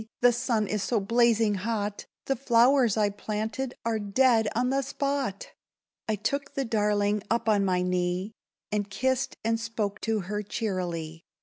the sun is so blazing hot, The flowers I planted are dead on the spot!" I took the darling up on my knee, And kissed, and spoke to her cheerily.